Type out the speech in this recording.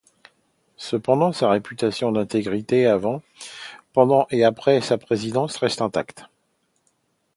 Cependant, sa réputation d'intégrité avant, pendant et après sa présidence reste intacte.